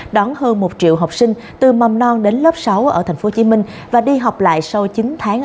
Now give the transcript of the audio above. đón hơn một triệu học sinh từ mầm non đến lớp sáu ở tp hcm và đi học lại sau chín tháng